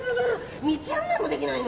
道案内もできないの？